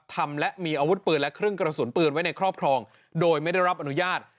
ทำและมีอาวุธปืนและเครื่องกระสุนปืนไว้ในครอบครองโดยไม่ได้รับอนุญาต